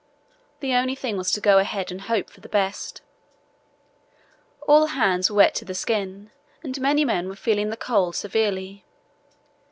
The only thing was to go ahead and hope for the best. All hands were wet to the skin again and many men were feeling the cold severely.